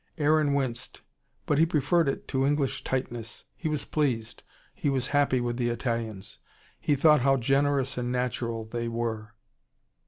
Aaron winced but he preferred it to English tightness. He was pleased, he was happy with the Italians. He thought how generous and natural they were.